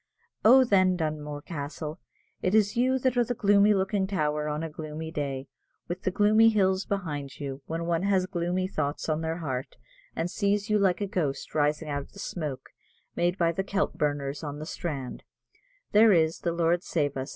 Oh, then, Dunmore Castle, it is you that are the gloomy looking tower on a gloomy day, with the gloomy hills behind you; when one has gloomy thoughts on their heart, and sees you like a ghost rising out of the smoke made by the kelp burners on the strand, there is, the Lord save us!